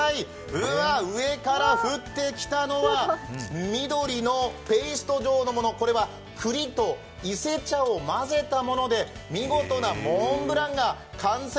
うわ、上から降ってきたのは緑のペースト状のもの、これは、くりと伊勢茶を混ぜたもので、見事なモンブランが完成。